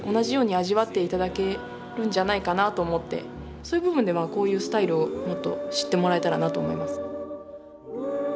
そういう部分でこういうスタイルをもっと知ってもらえたらなと思います。